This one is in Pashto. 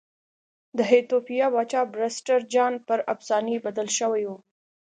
د ایتوپیا پاچا پرسټر جان پر افسانې بدل شوی و.